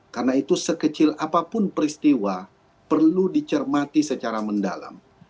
karena itu sekecil apapun peristiwa perlu dicermati secara mendalam